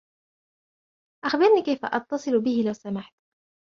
أخبرني كيف أتصل به لو سمحت.